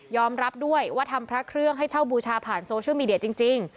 รับด้วยว่าทำพระเครื่องให้เช่าบูชาผ่านโซเชียลมีเดียจริง